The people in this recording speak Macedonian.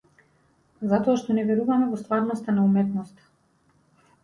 Затоа што не веруваме во стварноста на уметноста.